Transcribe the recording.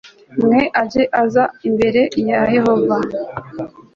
mwe ajye aza imbere ya yehova